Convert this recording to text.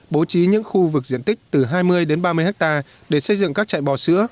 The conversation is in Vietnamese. bố trí những khu vực diện tích từ hai mươi đến ba mươi hectare để xây dựng các chạy bò sữa